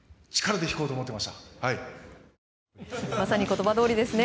まさに言葉どおりですね。